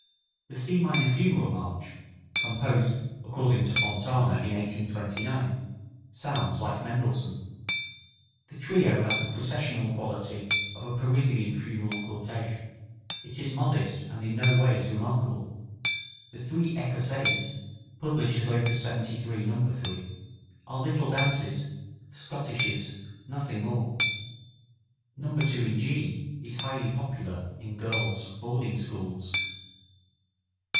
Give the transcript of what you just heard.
The C minor Funeral March, composed, according to Fontana, in 1829, sounds like Mendelssohn. The trio has the processional quality of a Parisian funeral cortege. It is modest and in no wise remarkable. The three Ecossaises, published as op. 73, No. 3, are little dances, schottisches, nothing more. No. 2 in G is highly popular in girls' boarding schools.